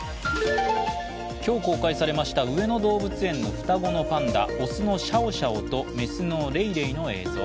今日公開されました上野動物園の双子のパンダ雄のシャオシャオと雌のレイレイの映像。